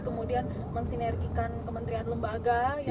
kemudian mensinergikan kementerian lembaga